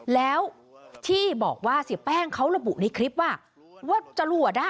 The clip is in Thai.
แล้วที่บอกว่าเสียแป้งเขาระบุในคลิปว่า